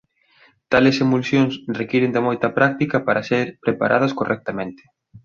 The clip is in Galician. Tales emulsións requiren de moita práctica para ser preparadas correctamente.